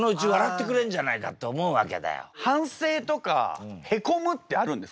反省とかへこむってあるんですか？